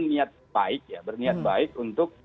niat baik ya berniat baik untuk